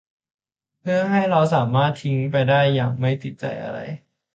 เพื่อให้เราสามารถทิ้งไปได้อย่างไม่ติดใจอะไร